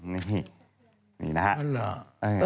นี่นะฮะ